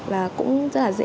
và cũng rất là dễ